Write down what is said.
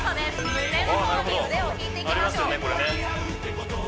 胸の方に腕を引いていきましょう